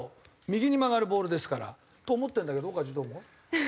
右に曲がるボールですから。と思ってるんだけどオカジどう思う？